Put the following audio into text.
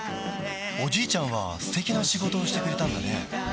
おじいちゃんは素敵な仕事をしてくれたんだね